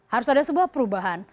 harus ada sebuah perubahan